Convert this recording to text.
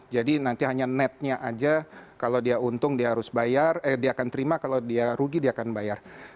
jadi nanti hanya netnya aja kalau dia untung dia harus bayar dia akan terima kalau dia rugi dia akan bayar